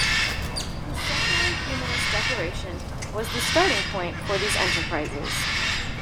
His Secular Humanist Declaration was the starting point for these enterprises.